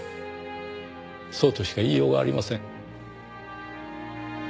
そうとしか言いようがありません。